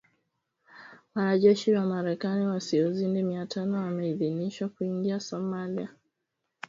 Wanajeshi wa Marekani wasiozidi mia tano wameidhinishwa kuingia Somalia kukabiliana na Kikundi cha Kigaidi